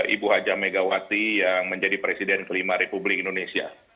ibu hajar megawati yang menjadi presiden ke lima republik indonesia